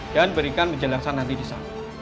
dan berikan penjelasan nanti di sana